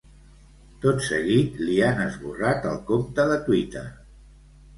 Tot seguit li han esborrat el compte de Twitter.